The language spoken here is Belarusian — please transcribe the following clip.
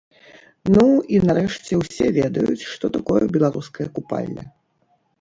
Ну, і нарэшце, усе ведаюць, што такое беларускае купалле.